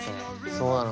そうなの。